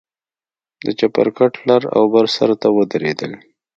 د چپرکټ لر او بر سر ته ودرېدل.